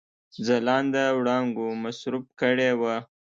ځلانده وړانګو مصروف کړي وه.